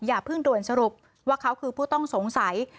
อย่าเพิ่งด่วนสรุปว่าเขาคือผู้ต้องสงสัย